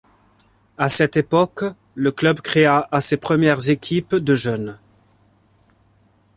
À cette époque, le club créa à ses premières équipes de jeunes.